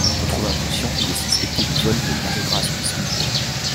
Retrouvé inconscient, il est suspecté du vol, mais il arrivera à se disculper.